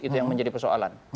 itu yang menjadi persoalan